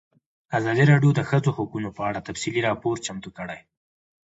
ازادي راډیو د د ښځو حقونه په اړه تفصیلي راپور چمتو کړی.